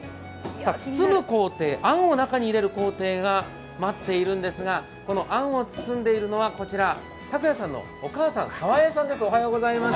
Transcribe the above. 包む工程、あんを中に入れる工程が待っているんですが、あんを包むのはこちら桂さんのお母さん、サワエさんです。